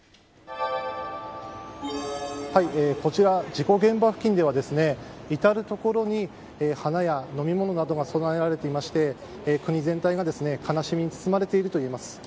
こちら、事故現場付近では至る所に花や飲み物などがそなえられていまして国全体が悲しみに包まれているといえます。